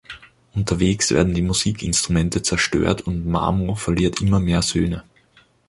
Unterwegs werden die Musikinstrumente zerstört und Mamo verliert immer mehr Söhne.